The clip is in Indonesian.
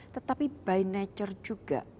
tetapi by nature juga